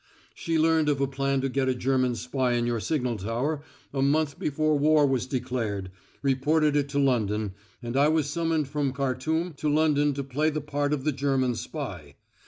She learned of a plan to get a German spy in your signal tower a month before war was declared, reported it to London, and I was summoned from Khartum to London to play the part of the German spy.